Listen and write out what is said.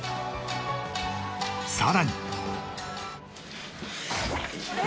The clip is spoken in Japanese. さらに。